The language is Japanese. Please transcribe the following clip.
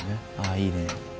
いいね。